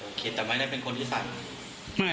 โอเคแต่ไม่ได้เป็นคนที่ใส่